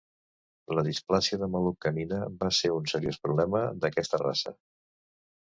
La displàsia de maluc canina va ser un seriós problema d'aquesta raça.